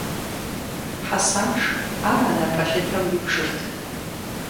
Хьэсанш ар анэ пэлъытэу ибжырт.